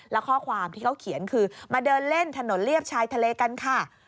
และข้อความที่เขาเขียนคือมาเดินเล่นถนนเรียบชายทะเลกันค่ะ